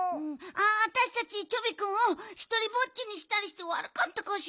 あたしたちチョビくんをひとりぼっちにしたりしてわるかったかしら。